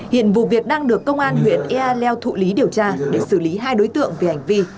hiện vụ việc đang được công an huyện ea leo thụ lý điều tra để xử lý hai đối tượng về hành vi